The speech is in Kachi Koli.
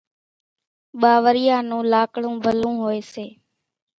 ٻاوريئا نون لاڪڙون ڀلون هوئيَ سي۔